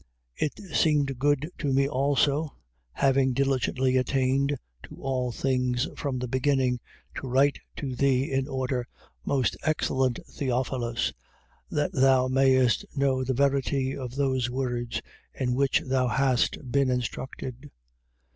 It seemed good to me also, having diligently attained to all things from the beginning, to write to thee in order, most excellent Theophilus, 1:4. That thou mayest know the verity of those words in which thou hast been instructed.